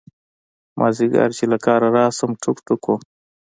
مازدیگر چې له کاره راشم ټوک ټوک وم.